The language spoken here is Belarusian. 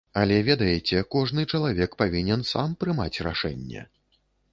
Але ведаеце, кожны чалавек павінен сам прымаць рашэнне.